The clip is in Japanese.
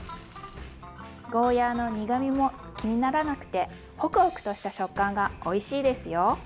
ゴーヤーの苦みも気にならなくてホクホクとした食感がおいしいですよ。